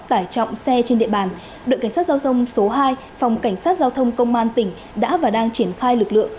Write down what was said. tải trọng xe trên địa bàn đội cảnh sát giao thông số hai phòng cảnh sát giao thông công an tỉnh đã và đang triển khai lực lượng